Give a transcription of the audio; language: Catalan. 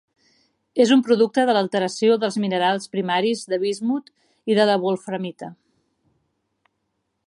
És un producte de l'alteració dels minerals primaris de bismut i de la wolframita.